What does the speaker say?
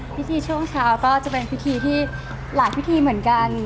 ช่วงเช้าก็จะเป็นพิธีที่หลายพิธีเหมือนกัน